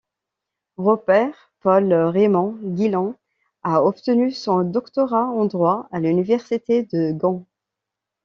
Robert Paul Raymond Gillon a obtenu son doctorat en droit à l’université de Gand.